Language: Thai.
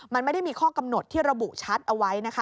มันไม่ได้มีข้อกำหนดที่ระบุชัดเอาไว้นะคะ